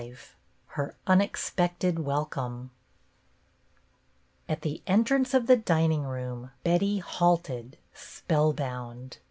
V HER UNEXPECTED WELCOME A t the entrance of the dining room Betty halted spellbound.